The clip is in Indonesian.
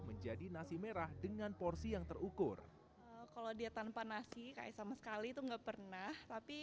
menjadi nasi merah dengan porsi yang terukur kalau dia tanpa nasi kayak sama sekali itu enggak pernah tapi